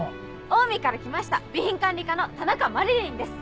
オウミから来ました備品管理課の田中麻理鈴です。